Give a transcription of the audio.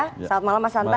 selamat malam mas hanta